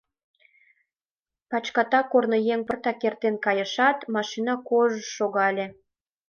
Пачката корныеҥым пыртак эртен кайышат, машина кож-ж шогале.